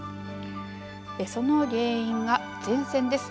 その原因が前線です。